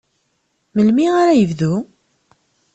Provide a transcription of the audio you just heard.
Melmi ara ad yebdu?